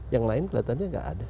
yang lain kelihatannya nggak ada